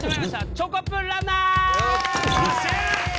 『チョコプランナー』！